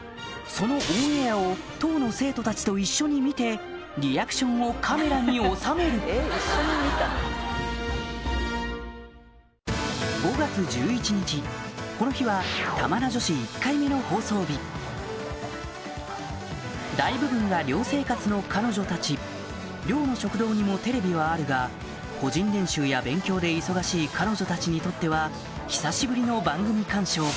そのオンエアを当の生徒たちと一緒に見てリアクションをカメラに収めるこの日は大部分は寮生活の彼女たち寮の食堂にもテレビはあるが個人練習や勉強で忙しい彼女たちにとっては久しぶりの番組鑑賞